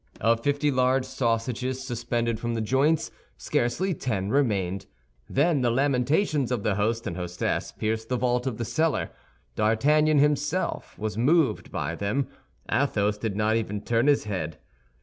Of fifty large sausages, suspended from the joists, scarcely ten remained. Then the lamentations of the host and hostess pierced the vault of the cellar. D'Artagnan himself was moved by them. Athos did not even turn his head.